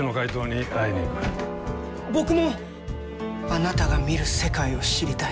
僕もあなたが見る世界を知りたい。